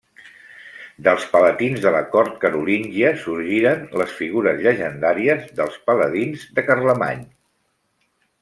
Dels palatins de la cort carolíngia sorgiren les figures llegendàries dels paladins de Carlemany.